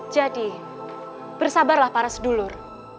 jadi bersabarlah para sedulur